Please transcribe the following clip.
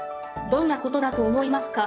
どんなことだと思いますか？